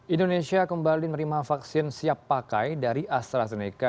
indonesia kembali menerima vaksin siap pakai dari astrazeneca